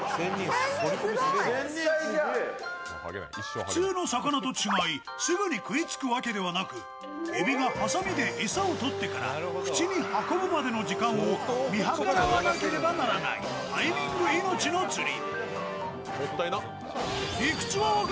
普通の魚と違い、すぐに食いつくわけではないえびがはさみで餌をとってから口に運ぶまでの時間を見計らわなければならない、タイミング命の釣り。